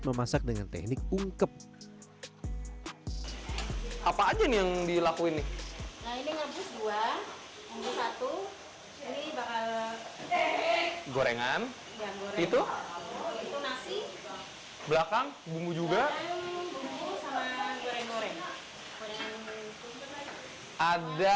memasak dengan teknik ungkep apa aja yang dilakuin nih gorengan itu belakang juga ada